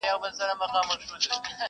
قاسم یار بایللی هوښ زاهد تسبې دي,